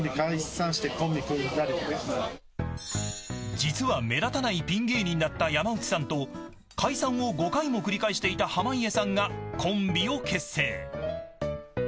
実は目立たないピン芸人だった山内さんと解散を５回も繰り返していた濱家さんがコンビを結成。